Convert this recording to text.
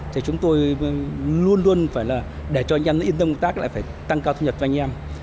thì chúng tôi luôn luôn phải là để cho anh em yên tâm công tác lại phải tăng cao thu nhập cho anh em